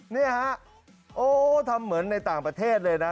นี่ฮะโอ้ทำเหมือนในต่างประเทศเลยนะ